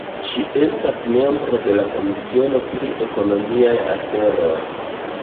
Ŝi estas membro de la komisiono pri ekonomiaj aferoj.